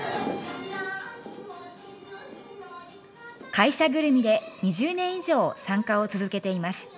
会社ぐるみで２０年以上、参加を続けています。